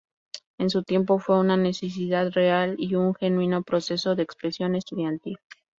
En su tiempo fue una necesidad real y un genuino proceso de expresión estudiantil.